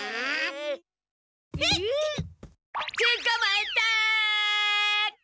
つかまえた！